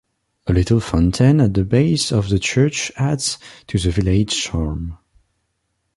A little fountain at the base of the church adds to the village's charm.